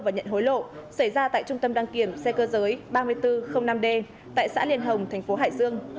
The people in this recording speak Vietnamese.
và nhận hối lộ xảy ra tại trung tâm đăng kiểm xe cơ giới ba nghìn bốn trăm linh năm d tại xã liên hồng thành phố hải dương